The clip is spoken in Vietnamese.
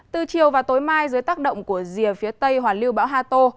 từ chiều và tối mai dưới tác động của dìa phía tây hoàn lưu bão hà tô